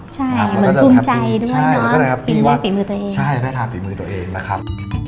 ใช่มันคุ้มใจด้วยเนอะปิดมือตัวเองนะครับพี่วัดใช่ได้ทางปิดมือตัวเองแล้วครับ